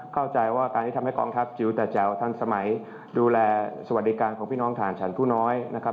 เข้าใจว่าการที่ทำให้กองทัพจิ๋วแต่แจ๋วทันสมัยดูแลสวัสดิการของพี่น้องฐานฉันผู้น้อยนะครับ